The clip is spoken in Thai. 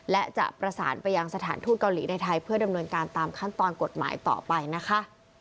และจะประสานไปยังสถานทูตเกาหลีในไทยเพื่อดำเนินการตามขั้นตอนกฎหมายต่อไปนะคะ